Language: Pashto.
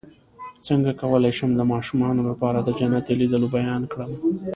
څنګه کولی شم د ماشومانو لپاره د جنت د لیدلو بیان کړم